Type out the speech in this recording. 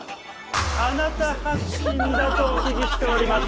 あなた発信だとお聞きしております。